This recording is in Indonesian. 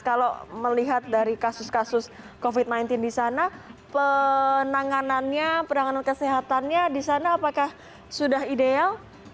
kalau melihat dari kasus kasus covid sembilan belas disana penanganannya penanganan kesehatannya disana apakah sudah ideal